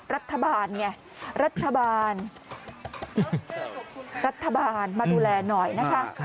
รัฐบาลไงรัฐบาลมาดูแลหน่อยนะคะ